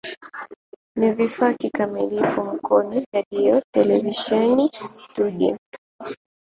Ni vifaa kikamilifu Mkono redio na televisheni studio.